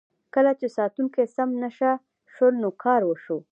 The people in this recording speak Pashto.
کله چې ساتونکي سم نشه شول نو کار وشو.